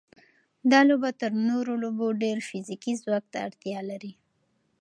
دا لوبه تر نورو لوبو ډېر فزیکي ځواک ته اړتیا لري.